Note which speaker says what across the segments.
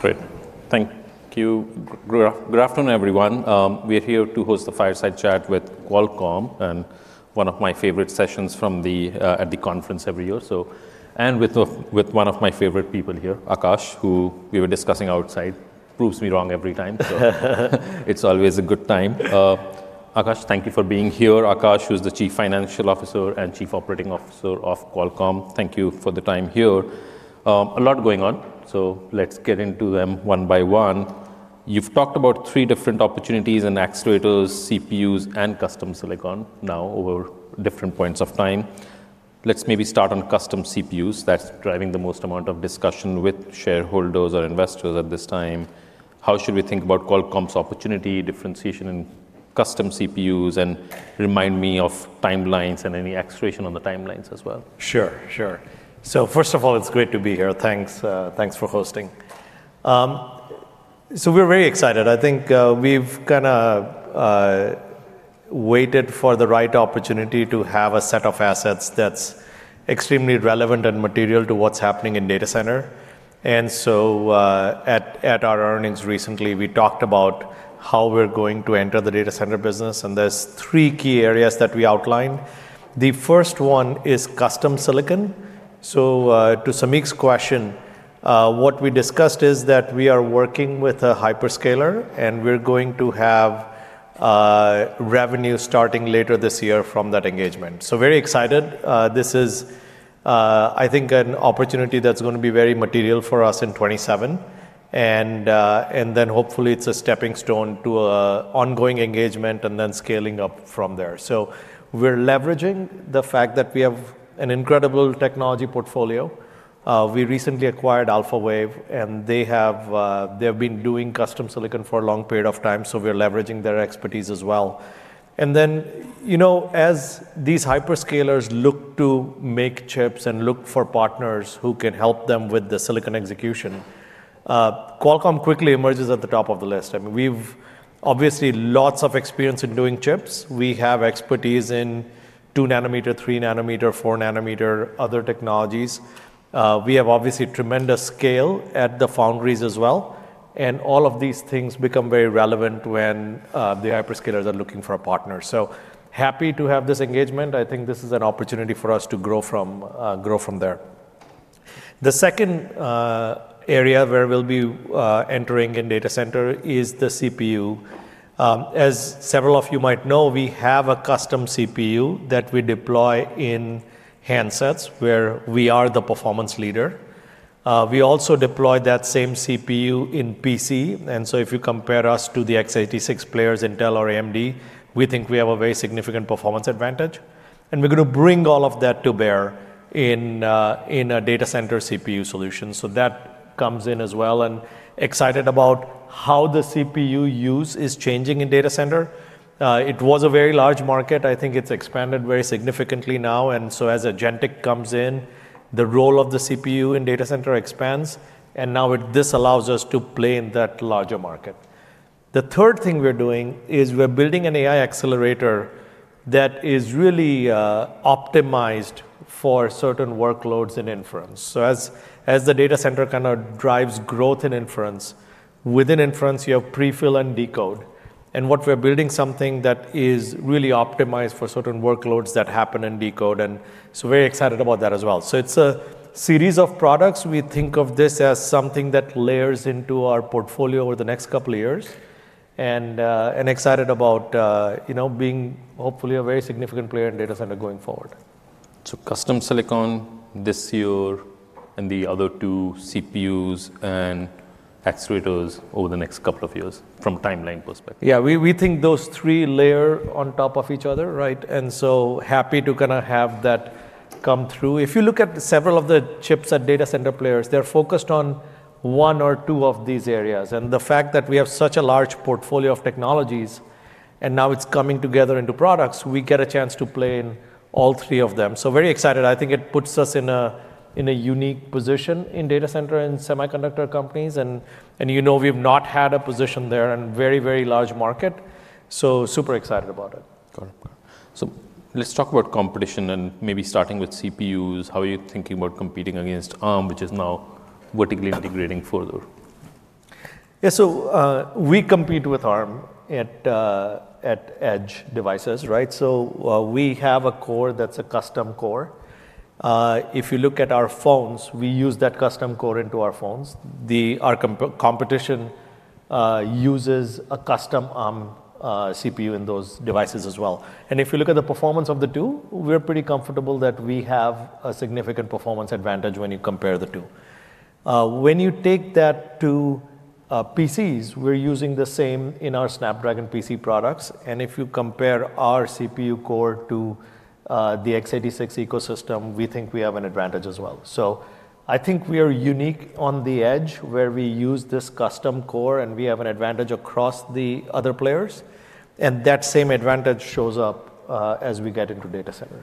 Speaker 1: Great. Thank you. Good afternoon, everyone. We're here to host a fireside chat with Qualcomm, one of my favorite sessions from the conference every year. With one of my favorite people here, Akash, who we were discussing outside, proves me wrong every time.
Speaker 2: It's always a good time.
Speaker 1: Akash, thank you for being here. Akash, who's the Chief Financial Officer and Chief Operating Officer of Qualcomm. Thank you for the time here. A lot going on, let's get into them one by one. You've talked about three different opportunities in accelerators, CPUs, and custom silicon now over different points of time. Let's maybe start on custom CPUs. That's driving the most amount of discussion with shareholders or investors at this time. How should we think about Qualcomm's opportunity, differentiation in custom CPUs, and remind me of timelines and any acceleration on the timelines as well?
Speaker 2: Sure, sure. First of all, it's great to be here. Thanks, thanks for hosting. We're very excited. I think, we've kinda waited for the right opportunity to have a set of assets that's extremely relevant and material to what's happening in data center. At our earnings recently, we talked about how we're going to enter the data center business, and there's three key areas that we outlined. The first one is custom silicon. To Samik's question, what we discussed is that we are working with a hyperscaler, and we're going to have revenue starting later this year from that engagement. Very excited. This is, I think an opportunity that's gonna be very material for us in 2027, and then hopefully it's a stepping stone to a ongoing engagement and then scaling up from there. We're leveraging the fact that we have an incredible technology portfolio. We recently acquired Alphawave, and they have, they've been doing custom silicon for a long period of time, so we're leveraging their expertise as well. You know, as these hyperscalers look to make chips and look for partners who can help them with the silicon execution, Qualcomm quickly emerges at the top of the list. I mean, we've obviously lots of experience in doing chips. We have expertise in 2 nm, 3 nm, 4 nm, other technologies. We have obviously tremendous scale at the foundries as well, and all of these things become very relevant when the hyperscalers are looking for a partner. Happy to have this engagement. I think this is an opportunity for us to grow from there. The second area where we'll be entering in data center is the CPU. As several of you might know, we have a custom CPU that we deploy in handsets where we are the performance leader. We also deploy that same CPU in PC. If you compare us to the x86 players, Intel or AMD, we think we have a very significant performance advantage, and we're gonna bring all of that to bear in a data center CPU solution, that comes in as well, and excited about how the CPU use is changing in data center. It was a very large market. I think it's expanded very significantly now. As agentic comes in, the role of the CPU in data center expands, and now this allows us to play in that larger market. The third thing we're doing is we're building an AI accelerator that is really optimized for certain workloads and inference. As the data center kinda drives growth in inference, within inference you have prefill and decode. What we're building something that is really optimized for certain workloads that happen in decode. Very excited about that as well. It's a series of products. We think of this as something that layers into our portfolio over the next couple of years and excited about, you know, being hopefully a very significant player in data center going forward.
Speaker 1: Custom silicon this year and the other two CPUs and accelerators over the next couple of years from timeline perspective.
Speaker 2: Yeah, we think those three layer on top of each other, right? Happy to kinda have that come through. If you look at several of the chips at data center players, they're focused on one or two of these areas. The fact that we have such a large portfolio of technologies and now it's coming together into products, we get a chance to play in all three of them. Very excited. I think it puts us in a, in a unique position in data center and semiconductor companies and you know, we've not had a position there in very, very large market. Super excited about it.
Speaker 1: Got it. Let's talk about competition and maybe starting with CPUs. How are you thinking about competing against Arm, which is now vertically integrating further?
Speaker 2: We compete with Arm at edge devices, right? We have a core that's a custom core. If you look at our phones, we use that custom core into our phones. Our competition uses a custom Arm CPU in those devices as well. If you look at the performance of the two, we're pretty comfortable that we have a significant performance advantage when you compare the two. When you take that to PCs, we're using the same in our Snapdragon PC products, and if you compare our CPU core to the x86 ecosystem, we think we have an advantage as well. I think we are unique on the edge where we use this custom core, and we have an advantage across the other players, and that same advantage shows up as we get into data center.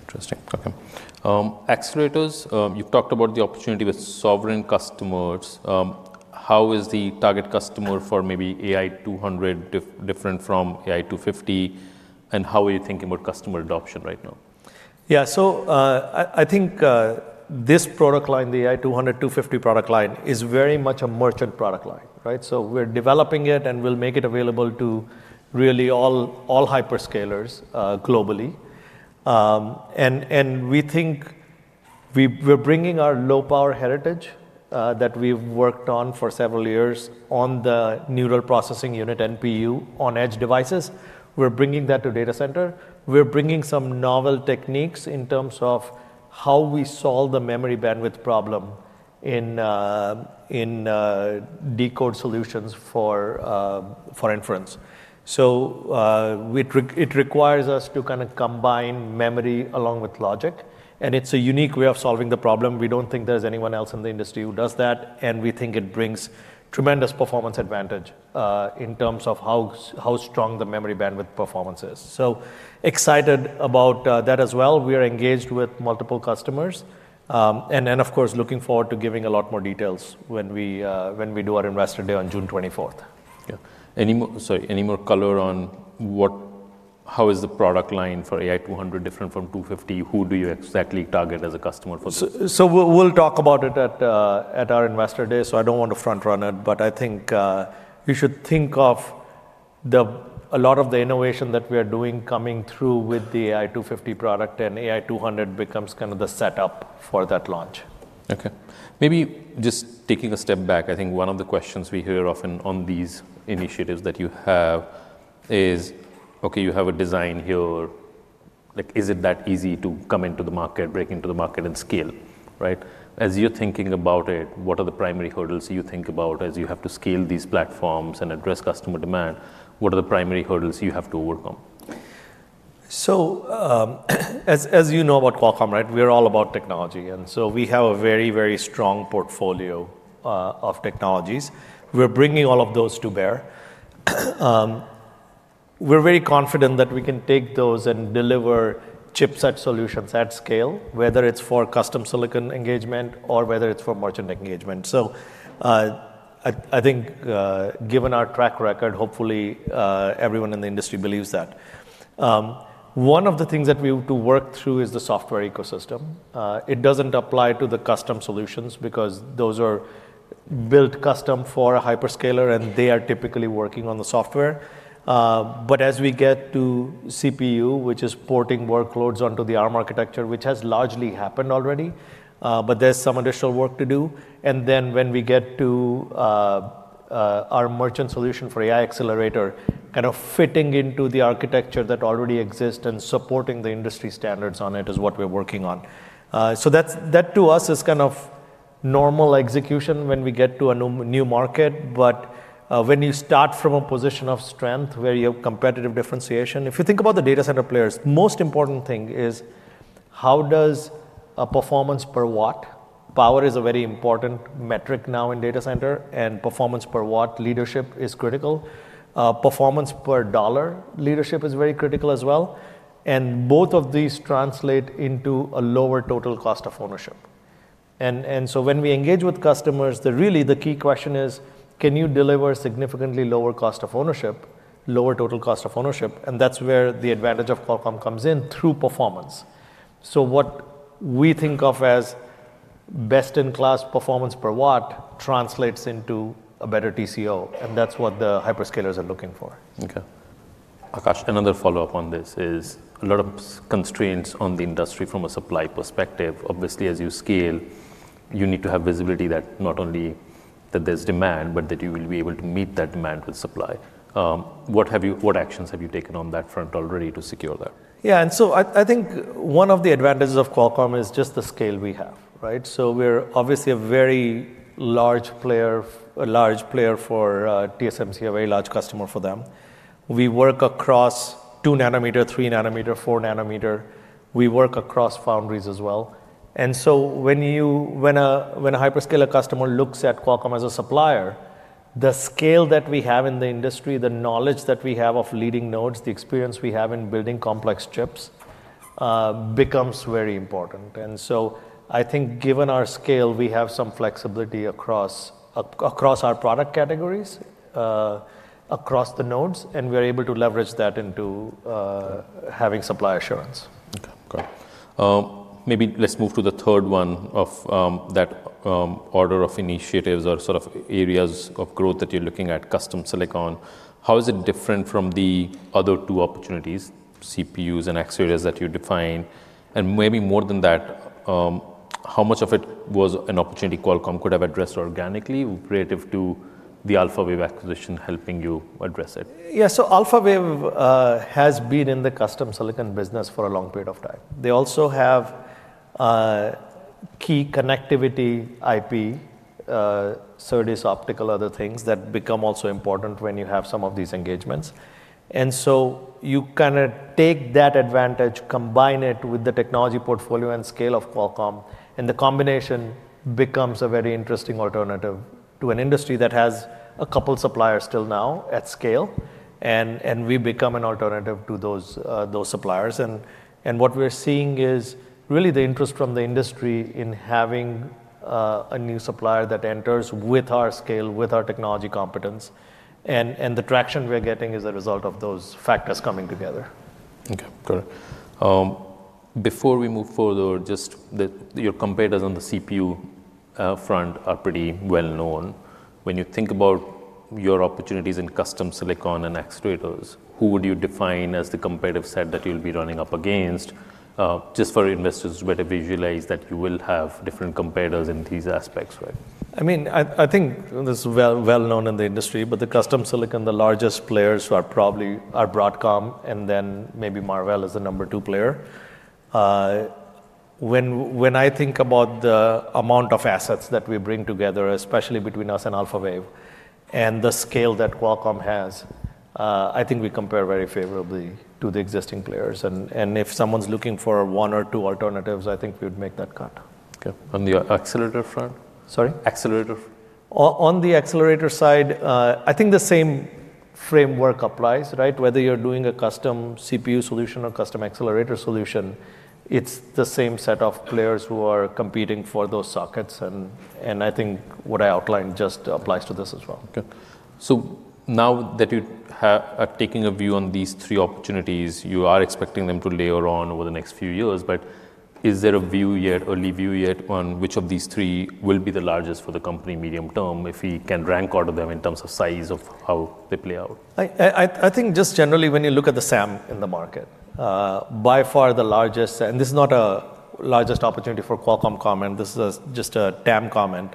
Speaker 1: Interesting. Okay. Accelerators, you've talked about the opportunity with sovereign customers. How is the target customer for maybe AI 200 different from AI 250, and how are you thinking about customer adoption right now?
Speaker 2: I think this product line, the AI 100, 250 product line, is very much a merchant product line, right? We're developing it, and we'll make it available to really all hyperscalers globally. We think we're bringing our low power heritage that we've worked on for several years on the neural processing unit, NPU, on edge devices. We're bringing that to data center. We're bringing some novel techniques in terms of how we solve the memory bandwidth problem in decode solutions for inference. It requires us to kinda combine memory along with logic, and it's a unique way of solving the problem. We don't think there's anyone else in the industry who does that, and we think it brings tremendous performance advantage, in terms of how strong the memory bandwidth performance is. Excited about that as well. We are engaged with multiple customers. Of course, looking forward to giving a lot more details when we do our Investor Day on June 24th.
Speaker 1: Yeah. Sorry. Any more color on how is the product line for AI 100 different from 250? Who do you exactly target as a customer for this?
Speaker 2: We'll talk about it at our Investor Day, so I don't want to front run it. I think we should think of a lot of the innovation that we are doing coming through with the AI 250 product, and AI 100 becomes kind of the setup for that launch.
Speaker 1: Maybe just taking a step back, I think one of the questions we hear often on these initiatives that you have is, okay, you have a design here. Like, is it that easy to come into the market, break into the market and scale, right? As you're thinking about it, what are the primary hurdles you think about as you have to scale these platforms and address customer demand? What are the primary hurdles you have to overcome?
Speaker 2: As you know about Qualcomm, right? We are all about technology, we have a very, very strong portfolio of technologies. We're bringing all of those to bear. We're very confident that we can take those and deliver chipset solutions at scale, whether it's for custom silicon engagement or whether it's for merchant engagement. I think, given our track record, hopefully, everyone in the industry believes that. One of the things that we have to work through is the software ecosystem. It doesn't apply to the custom solutions because those are built custom for a hyperscaler, and they are typically working on the software. As we get to CPU, which is porting workloads onto the Arm architecture, which has largely happened already, there's some additional work to do. When we get to our merchant solution for AI accelerator, kind of fitting into the architecture that already exists and supporting the industry standards on it is what we're working on. That's, that to us is kind of normal execution when we get to a new market. When you start from a position of strength where you have competitive differentiation. If you think about the data center players, most important thing is how does a performance per watt. Power is a very important metric now in data center and performance per watt leadership is critical. Performance per dollar leadership is very critical as well. Both of these translate into a lower total cost of ownership. When we engage with customers, the really the key question is: Can you deliver significantly lower cost of ownership, lower total cost of ownership? That's where the advantage of Qualcomm comes in, through performance. What we think of as best in class performance per watt translates into a better TCO, and that's what the hyperscalers are looking for.
Speaker 1: Okay. Akash, another follow-up on this is a lot of constraints on the industry from a supply perspective. Obviously, as you scale, you need to have visibility that not only that there's demand, but that you will be able to meet that demand with supply. What actions have you taken on that front already to secure that?
Speaker 2: Yeah. I think one of the advantages of Qualcomm is just the scale we have, right. We're obviously a very large player a large player for TSMC, a very large customer for them. We work across 2 nm, 3 nm, 4 nm. We work across foundries as well. When a hyperscaler customer looks at Qualcomm as a supplier, the scale that we have in the industry, the knowledge that we have of leading nodes, the experience we have in building complex chips becomes very important. I think given our scale, we have some flexibility across our product categories, across the nodes, and we're able to leverage that into having supply assurance.
Speaker 1: Okay. Great. Maybe let's move to the third one of that order of initiatives or sort of areas of growth that you're looking at custom silicon. How is it different from the other two opportunities, CPUs and accelerators that you defined? And maybe more than that, how much of it was an opportunity Qualcomm could have addressed organically relative to the Alphawave acquisition helping you address it?
Speaker 2: Yeah. Alphawave has been in the custom silicon business for a long period of time. They also have key connectivity IP, SerDes, optical, other things that become also important when you have some of these engagements. You kinda take that advantage, combine it with the technology portfolio and scale of Qualcomm, and the combination becomes a very interesting alternative to an industry that has a couple suppliers till now at scale. We become an alternative to those suppliers. What we're seeing is really the interest from the industry in having a new supplier that enters with our scale, with our technology competence. The traction we are getting is a result of those factors coming together.
Speaker 1: Okay, got it. Before we move further, just your competitors on the CPU front are pretty well-known. When you think about your opportunities in custom silicon and accelerators, who would you define as the competitive set that you'll be running up against? Just for investors where they visualize that you will have different competitors in these aspects, right?
Speaker 2: I mean, I think this is well-known in the industry, but the custom silicon, the largest players who are probably Broadcom, and then maybe Marvell is the number two player. When I think about the amount of assets that we bring together, especially between us and Alphawave, and the scale that Qualcomm has, I think I compare very favorably to the existing players. If someone's looking for one or two alternatives, I think we'd make that cut.
Speaker 1: Okay. On the accelerator front?
Speaker 2: Sorry?
Speaker 1: Accelerator.
Speaker 2: On the accelerator side, I think the same framework applies, right? Whether you're doing a custom CPU solution or custom accelerator solution, it's the same set of players who are competing for those sockets and I think what I outlined just applies to this as well.
Speaker 1: Now that you have taken a view on these three opportunities, you are expecting them to layer on over the next few years. Is there a view yet, early view yet on which of these three will be the largest for the company medium term, if we can rank order them in terms of size of how they play out?
Speaker 2: I think just generally when you look at the SAM in the market, by far the largest. This is not a largest opportunity for Qualcomm comment, this is just a TAM comment.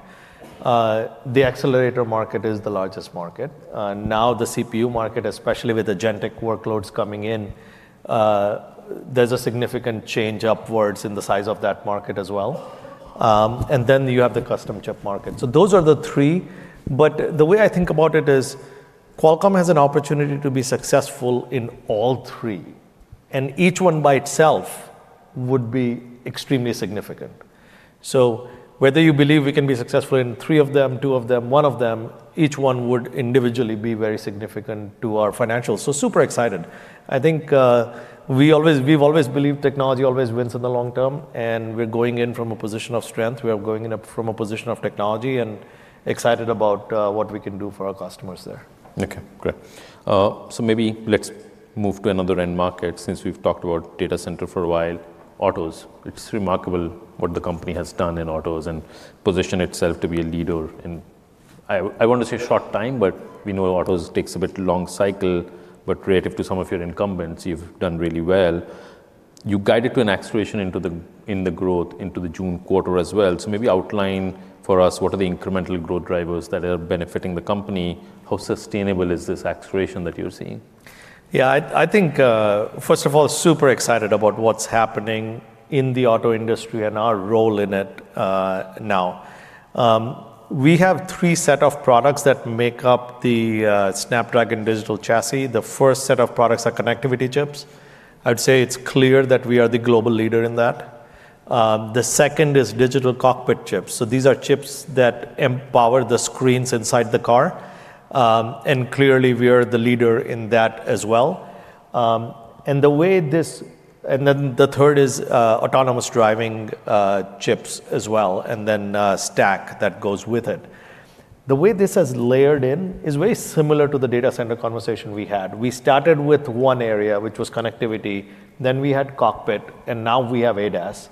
Speaker 2: The accelerator market is the largest market. Now the CPU market, especially with agentic workloads coming in, there's a significant change upwards in the size of that market as well. Then you have the custom chip market. Those are the three. The way I think about it is Qualcomm has an opportunity to be successful in all three, and each one by itself would be extremely significant. Whether you believe we can be successful in three of them, two of them, one of them, each one would individually be very significant to our financials. Super excited. I think, we've always believed technology always wins in the long term, and we're going in from a position of strength. We are going in from a position of technology and excited about, what we can do for our customers there.
Speaker 1: Okay, great. Maybe let's move to another end market since we've talked about data center for a while. Autos. It's remarkable what the company has done in autos and positioned itself to be a leader in, I want to say short time, but we know autos takes a bit long cycle, but relative to some of your incumbents, you've done really well. You guided to an acceleration in the growth into the June quarter as well. Maybe outline for us what are the incremental growth drivers that are benefiting the company? How sustainable is this acceleration that you're seeing?
Speaker 2: I think, first of all, super excited about what's happening in the auto industry and our role in it now. We have three set of products that make up the Snapdragon Digital Chassis. The first set of products are connectivity chips. I'd say it's clear that we are the global leader in that. The second is digital cockpit chips. These are chips that empower the screens inside the car. Clearly we are the leader in that as well. The third is autonomous driving chips as well, and then stack that goes with it. The way this has layered in is very similar to the data center conversation we had. We started with one area, which was connectivity, then we had cockpit, and now we have ADAS.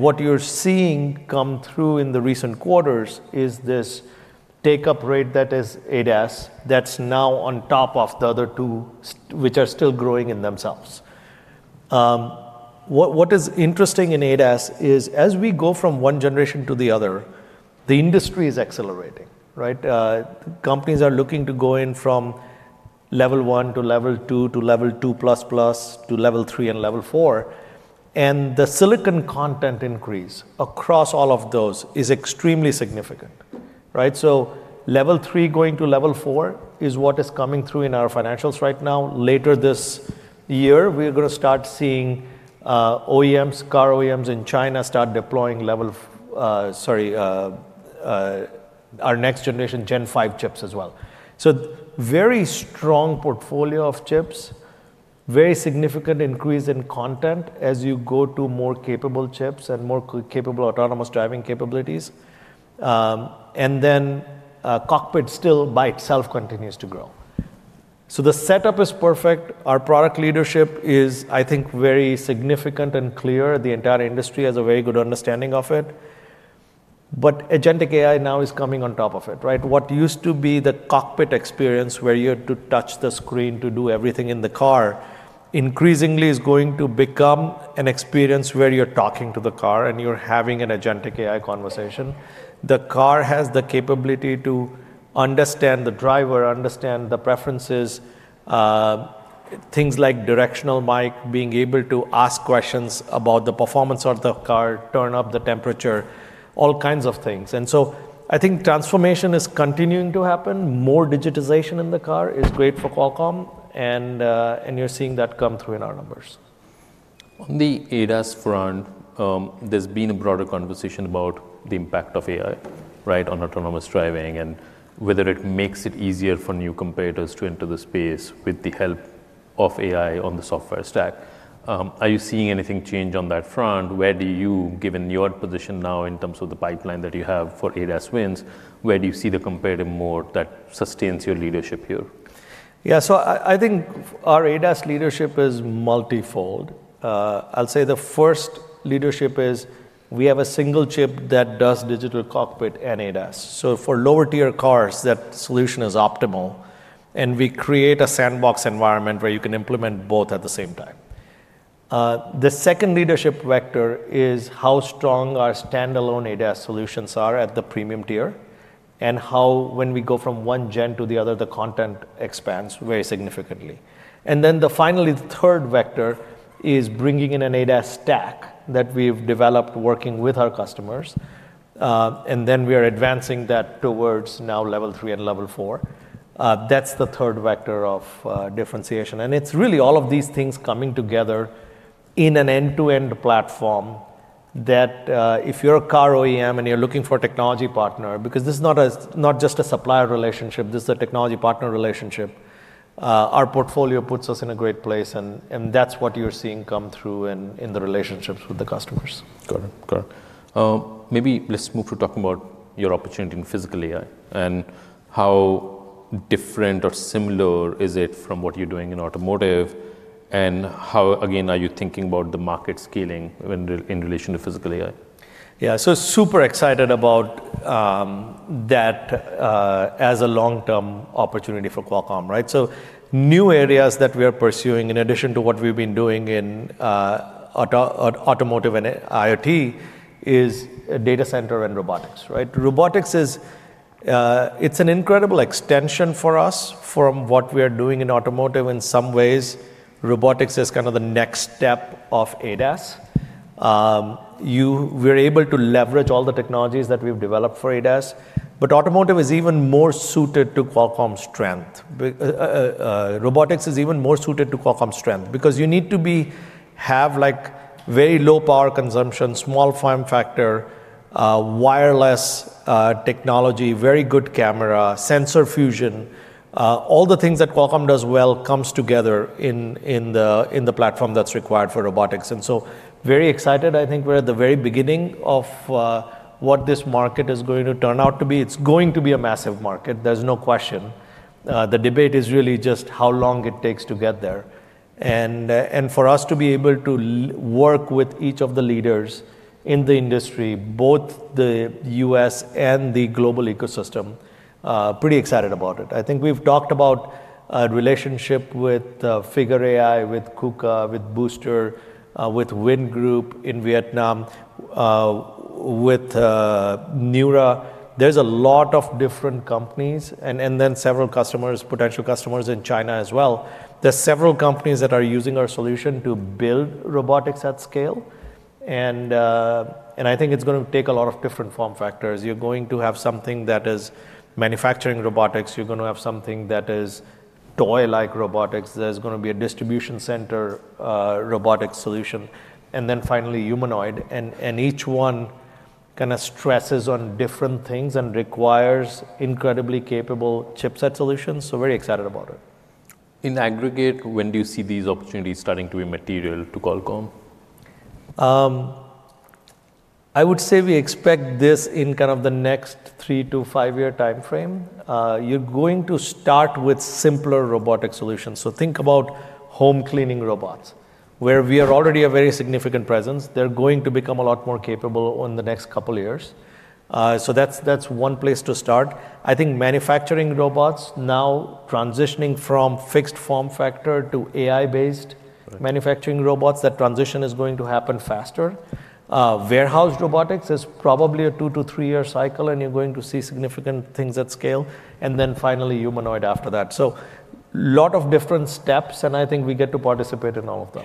Speaker 2: What you're seeing come through in the recent quarters is this take-up rate that is ADAS that's now on top of the other two which are still growing in themselves. What is interesting in ADAS is as we go from generation to the other, the industry is accelerating, right? Companies are looking to go in from Level 1 to Level 2, to Level 2++, to Level 3 and Level 4. The silicon content increase across all of those is extremely significant, right? Level 3 going to Level 4 is what is coming through in our financials right now. Later this year, we're gonna start seeing OEMs, car OEMs in China start deploying sorry, our next generation Gen 5 chips as well. Very strong portfolio of chips, very significant increase in content as you go to more capable chips and more capable autonomous driving capabilities. Cockpit still by itself continues to grow. The setup is perfect. Our product leadership is, I think, very significant and clear. The entire industry has a very good understanding of it. Agentic AI now is coming on top of it, right. What used to be the cockpit experience where you had to touch the screen to do everything in the car increasingly is going to become an experience where you're talking to the car and you're having an agentic AI conversation. The car has the capability to understand the driver, understand the preferences, things like directional mic, being able to ask questions about the performance of the car, turn up the temperature, all kinds of things. I think transformation is continuing to happen. More digitization in the car is great for Qualcomm and you're seeing that come through in our numbers.
Speaker 1: On the ADAS front, there's been a broader conversation about the impact of AI, right, on autonomous driving, and whether it makes it easier for new competitors to enter the space with the help of AI on the software stack. Are you seeing anything change on that front? Where do you, given your position now in terms of the pipeline that you have for ADAS wins, where do you see the competitive moat that sustains your leadership here?
Speaker 2: I think our ADAS leadership is multifold. I'll say the first leadership is we have a single chip that does digital cockpit and ADAS. For lower tier cars, that solution is optimal, and we create a sandbox environment where you can implement both at the same time. The second leadership vector is how strong our standalone ADAS solutions are at the premium tier, and how when we go from Gen 1 to the other, the content expands very significantly. The finally, the third vector is bringing in an ADAS stack that we've developed working with our customers, and then we are advancing that towards now Level 3 and Level 4. That's the third vector of differentiation. It's really all of these things coming together in an end-to-end platform that, if you're a car OEM and you're looking for a technology partner, because this is not just a supplier relationship, this is a technology partner relationship, our portfolio puts us in a great place and that's what you're seeing come through in the relationships with the customers.
Speaker 1: Got it. Got it. Maybe let's move to talking about your opportunity in physical AI and how different or similar is it from what you're doing in automotive, and how, again, are you thinking about the market scaling when in relation to physical AI?
Speaker 2: Super excited about that as a long-term opportunity for Qualcomm, right? New areas that we are pursuing in addition to what we've been doing in automotive and IoT is data center and robotics, right? Robotics is, it's an incredible extension for us from what we're doing in automotive. In some ways, robotics is kind of the next step of ADAS. We're able to leverage all the technologies that we've developed for ADAS, but automotive is even more suited to Qualcomm's strength. Robotics is even more suited to Qualcomm's strength because you need to have like very low power consumption, small form factor, wireless technology, very good camera, sensor fusion. All the things that Qualcomm does well comes together in the platform that's required for robotics. Very excited. I think we're at the very beginning of what this market is going to turn out to be. It's going to be a massive market, there's no question. The debate is really just how long it takes to get there. For us to be able to work with each of the leaders in the industry, both the U.S. and the global ecosystem, pretty excited about it. I think we've talked about a relationship with Figure AI, with KUKA, with Booster, with Vingroup in Vietnam, with Neura. There's a lot of different companies and then several customers, potential customers in China as well. There's several companies that are using our solution to build robotics at scale and I think it's gonna take a lot of different form factors. You're going to have something that is manufacturing robotics, you're gonna have something that is toy-like robotics, there's gonna be a distribution center, robotics solution. Finally humanoid. Each one kinda stresses on different things and requires incredibly capable chipset solutions, very excited about it.
Speaker 1: In aggregate, when do you see these opportunities starting to be material to Qualcomm?
Speaker 2: I would say we expect this in kind of the next three-five year timeframe. You're going to start with simpler robotic solutions, so think about home cleaning robots, where we are already a very significant presence. They're going to become a lot more capable in the next two years, so that's one place to start. I think manufacturing robots now transitioning from fixed form factor to AI-based.
Speaker 1: Right.
Speaker 2: Manufacturing robots, that transition is going to happen faster. warehouse robotics is probably a two-three year cycle, you're going to see significant things at scale. finally humanoid after that. lot of different steps, and I think we get to participate in all of them.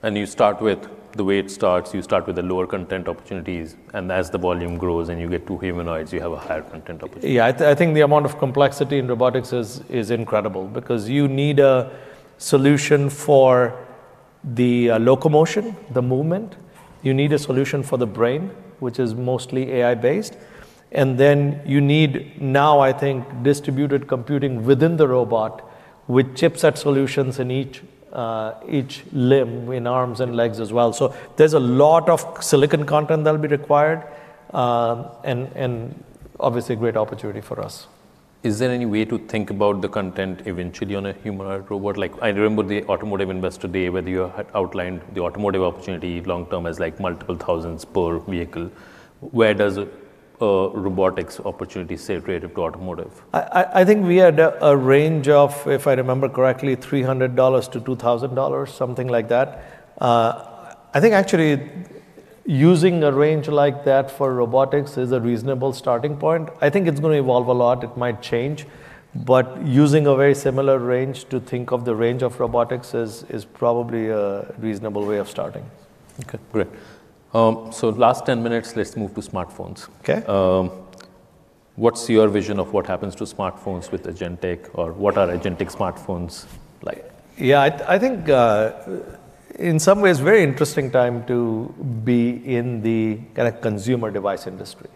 Speaker 1: Okay. You start with the way it starts, you start with the lower content opportunities, and as the volume grows and you get to humanoids, you have a higher content opportunity.
Speaker 2: I think the amount of complexity in robotics is incredible because you need a solution for the locomotion, the movement. You need a solution for the brain, which is mostly AI-based. You need now, I think, distributed computing within the robot with chipset solutions in each limb, in arms and legs as well. There's a lot of silicon content that'll be required, and obviously a great opportunity for us.
Speaker 1: Is there any way to think about the content eventually on a humanoid robot? Like, I remember the automotive Investor Day where you had outlined the automotive opportunity long-term as like multiple thousands per vehicle. Where does robotics opportunity sit relative to automotive?
Speaker 2: I think we had a range of, if I remember correctly, $300-$2,000, something like that. I think actually using a range like that for robotics is a reasonable starting point. I think it's gonna evolve a lot. It might change. Using a very similar range to think of the range of robotics is probably a reasonable way of starting.
Speaker 1: Okay, great. Last 10 minutes, let's move to smartphones.
Speaker 2: Okay.
Speaker 1: What's your vision of what happens to smartphones with agentic, or what are agentic smartphones like?
Speaker 2: I think, in some ways very interesting time to be in the kinda consumer device industry.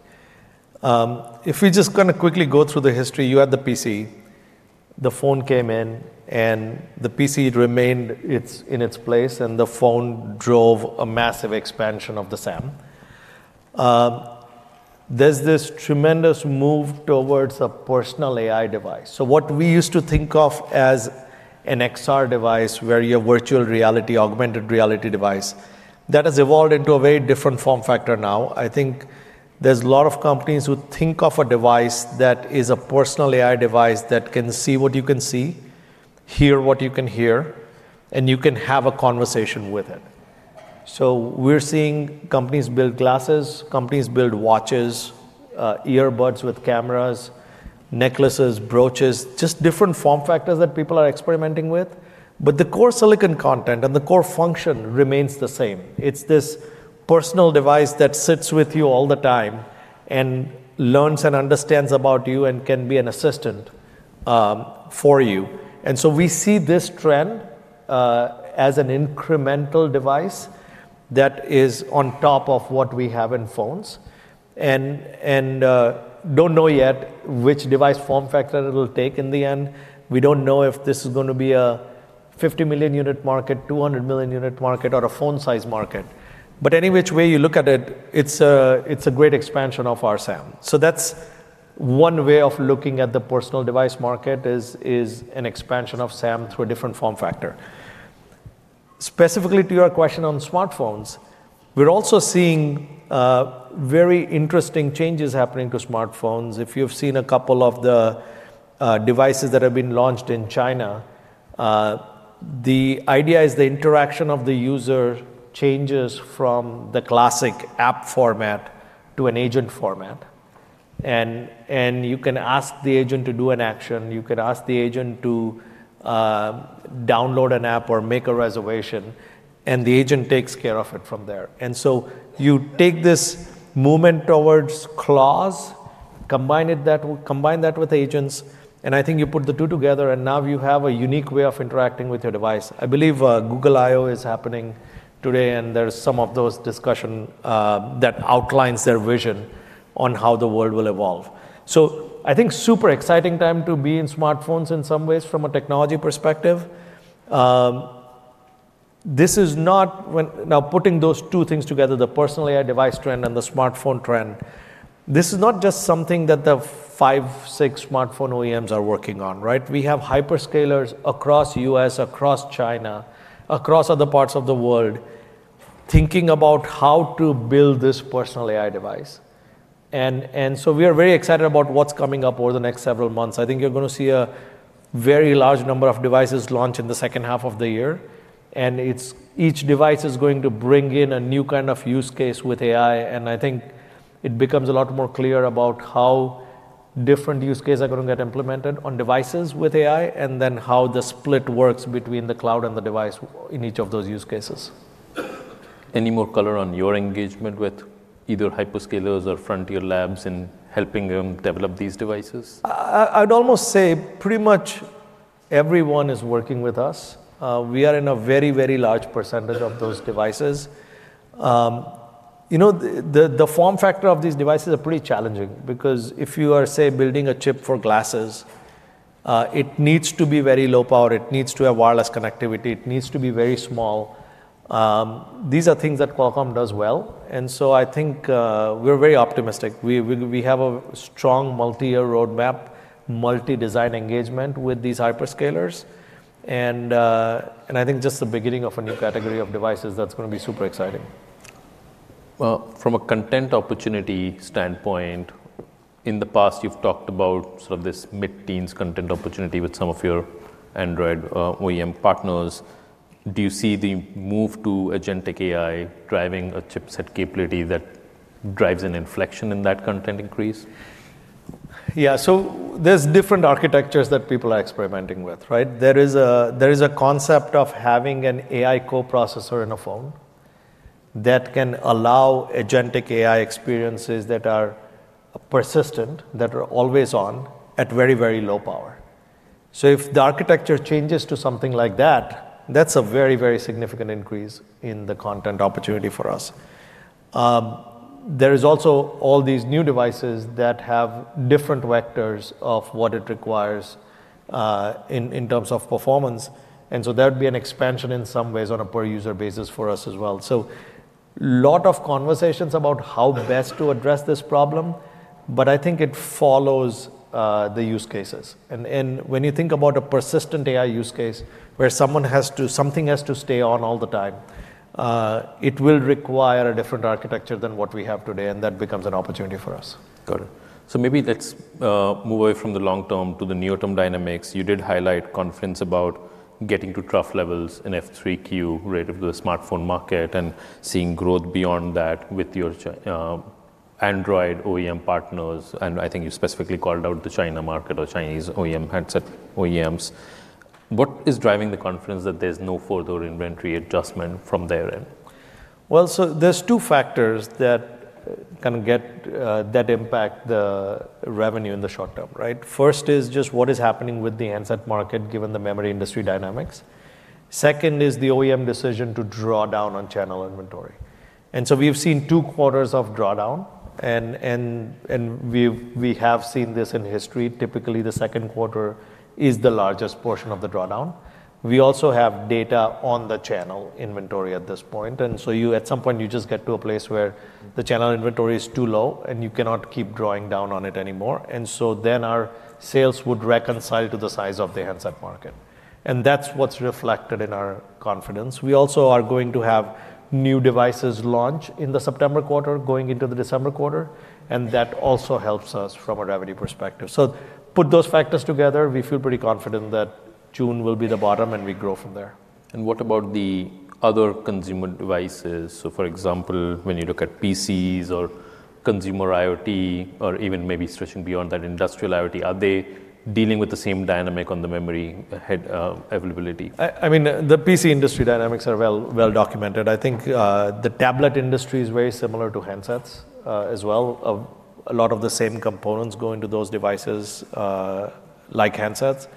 Speaker 2: If we just kind of quickly go through the history, you had the PC, the phone came in, and the PC remained its, in its place, and the phone drove a massive expansion of the SAM. I mean, there's this tremendous move towards a personal AI device. What we used to think of as an XR device where your virtual reality, augmented reality device, that has evolved into a very different form factor now. I think there's a lot of companies who think of a device that is a personal AI device that can see what you can see, hear what you can hear, and you can have a conversation with it. We're seeing companies build glasses, companies build watches, earbuds with cameras, necklaces, broaches, just different form factors that people are experimenting with. The core silicon content and the core function remains the same. It's this personal device that sits with you all the time and learns and understands about you and can be an assistant for you. We see this trend as an incremental device that is on top of what we have in phones and don't know yet which device form factor it'll take in the end. We don't know if this is going to be a 50 million unit market, 200 million unit market, or a phone-sized market. Any which way you look at it's a great expansion of our SAM. That's one way of looking at the personal device market is an expansion of SAM through a different form factor. Specifically to your question on smartphones, we're also seeing very interesting changes happening to smartphones. If you've seen a couple of the devices that have been launched in China, the idea is the interaction of the user changes from the classic app format to an agent format. You can ask the agent to do an action, you could ask the agent to download an app or make a reservation, and the agent takes care of it from there. You take this movement towards cloud, combine that with agents, and I think you put the two together, and now you have a unique way of interacting with your device. I believe Google I/O is happening today, and there's some of those discussion that outlines their vision on how the world will evolve. I think super exciting time to be in smartphones in some ways from a technology perspective. This is not Now, putting those two things together, the personal AI device trend and the smartphone trend, this is not just something that the five, six smartphone OEMs are working on, right? We have hyperscalers across U.S., across China, across other parts of the world, thinking about how to build this personal AI device. We are very excited about what's coming up over the next several months. I think you're gonna see a very large number of devices launch in the second half of the year. Each device is going to bring in a new kind of use case with AI, and I think it becomes a lot more clear about how different use cases are gonna get implemented on devices with AI, and then how the split works between the cloud and the device in each of those use cases.
Speaker 1: Any more color on your engagement with either hyperscalers or frontier labs in helping them develop these devices?
Speaker 2: I'd almost say pretty much everyone is working with us. We are in a very large percentage of those devices. You know, the form factor of these devices are pretty challenging because if you are, say, building a chip for glasses, it needs to be very low power, it needs to have wireless connectivity, it needs to be very small. These are things that Qualcomm does well, and so I think we're very optimistic. We have a strong multi-year roadmap, multi-design engagement with these hyperscalers and I think just the beginning of a new category of devices that's gonna be super exciting.
Speaker 1: Well, from a content opportunity standpoint, in the past, you've talked about sort of this mid-teens content opportunity with some of your Android OEM partners. Do you see the move to agentic AI driving a chipset capability that drives an inflection in that content increase?
Speaker 2: Yeah. There is a concept of having an AI co-processor in a phone that can allow agentic AI experiences that are persistent, that are always on at very, very low power. There is also all these new devices that have different vectors of what it requires in terms of performance, that would be an expansion in some ways on a per user basis for us as well. Lot of conversations about how best to address this problem, but I think it follows the use cases. When you think about a persistent AI use case where something has to stay on all the time, it will require a different architecture than what we have today, and that becomes an opportunity for us.
Speaker 1: Got it. Maybe let's move away from the long term to the near-term dynamics. You did highlight confidence about getting to trough levels in F3Q rate of the smartphone market and seeing growth beyond that with your Android OEM partners, and I think you specifically called out the China market or Chinese OEM handset OEMs. What is driving the confidence that there's no further inventory adjustment from their end?
Speaker 2: There's two factors that can get that impact the revenue in the short term, right? First is just what is happening with the handset market given the memory industry dynamics. Second is the OEM decision to draw down on channel inventory. We've seen two quarters of drawdown, and we have seen this in history. Typically, the second quarter is the largest portion of the drawdown. We also have data on the channel inventory at this point. At some point you just get to a place where the channel inventory is too low, and you cannot keep drawing down on it anymore. Our sales would reconcile to the size of the handset market. That's what's reflected in our confidence. We also are going to have new devices launch in the September quarter, going into the December quarter, and that also helps us from a revenue perspective. Put those factors together, we feel pretty confident that June will be the bottom, and we grow from there.
Speaker 1: What about the other consumer devices? For example, when you look at PCs or consumer IoT, or even maybe stretching beyond that industrial IoT, are they dealing with the same dynamic on the memory ahead, availability?
Speaker 2: I mean, the PC industry dynamics are well documented. I think, the tablet industry is very similar to handsets as well. A lot of the same components go into those devices like handsets.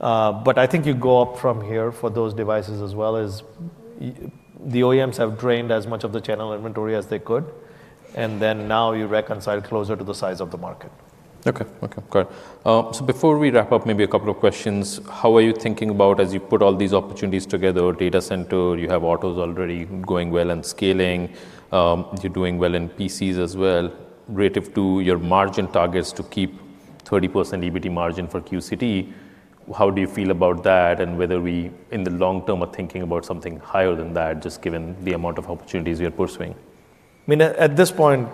Speaker 2: I think you go up from here for those devices as well as the OEMs have drained as much of the channel inventory as they could, and then now you reconcile closer to the size of the market.
Speaker 1: Okay. Okay, got it. Before we wrap up, maybe a couple of questions. How are you thinking about as you put all these opportunities together with data center, you have autos already going well and scaling, you're doing well in PCs as well, relative to your margin targets to keep 30% EBT margin for QCT, how do you feel about that, and whether we in the long term are thinking about something higher than that, just given the amount of opportunities you're pursuing?
Speaker 2: I mean, at this point,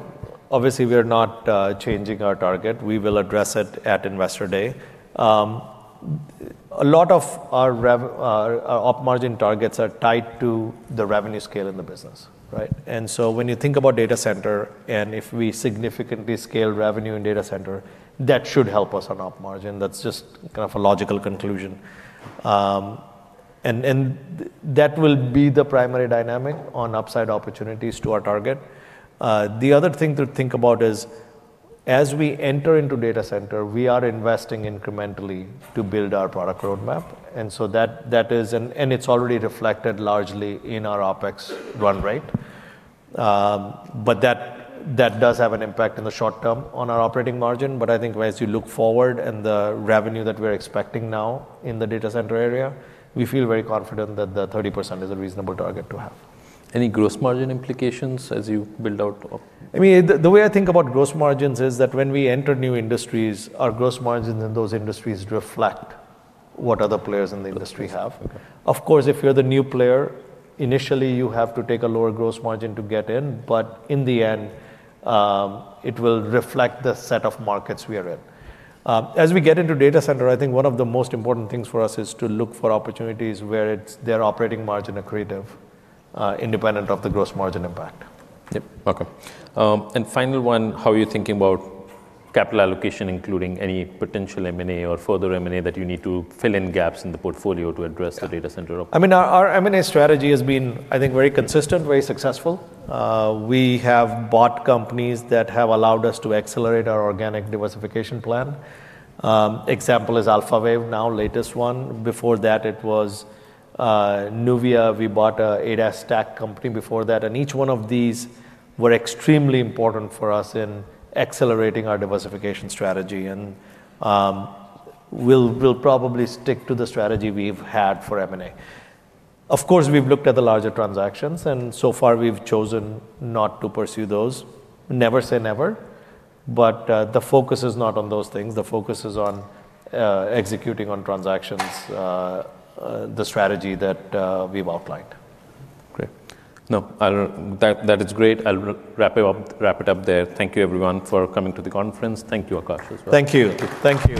Speaker 2: obviously we are not changing our target. We will address it at Investor Day. A lot of our op margin targets are tied to the revenue scale in the business, right? When you think about data center, and if we significantly scale revenue in data center, that should help us on op margin. That's just kind of a logical conclusion. That will be the primary dynamic on upside opportunities to our target. The other thing to think about is, as we enter into data center, we are investing incrementally to build our product roadmap. That is already reflected largely in our OpEx run rate. That does have an impact in the short term on our operating margin. I think as you look forward and the revenue that we're expecting now in the data center area, we feel very confident that the 30% is a reasonable target to have.
Speaker 1: Any gross margin implications as you build out Op?
Speaker 2: I mean, the way I think about gross margins is that when we enter new industries, our gross margins in those industries reflect what other players in the industry have.
Speaker 1: Okay.
Speaker 2: Of course, if you're the new player, initially you have to take a lower gross margin to get in, but in the end, it will reflect the set of markets we are in. As we get into data center, I think one of the most important things for us is to look for opportunities where they're operating margin accretive, independent of the gross margin impact.
Speaker 1: Yep. Okay. Final one, how are you thinking about capital allocation, including any potential M&A or further M&A that you need to fill in gaps in the portfolio to address the data center opportunity?
Speaker 2: I mean, our M&A strategy has been, I think, very consistent, very successful. We have bought companies that have allowed us to accelerate our organic diversification plan. Example is Alphawave, now latest one. Before that it was Nuvia. We bought a ADAS tech company before that. Each one of these were extremely important for us in accelerating our diversification strategy. We'll probably stick to the strategy we've had for M&A. Of course, we've looked at the larger transactions, so far we've chosen not to pursue those. Never say never, the focus is not on those things. The focus is on executing on transactions, the strategy that we've outlined.
Speaker 1: Great. That is great. I'll wrap it up there. Thank you, everyone, for coming to the conference. Thank you, Akash, as well.
Speaker 2: Thank you. Thank you.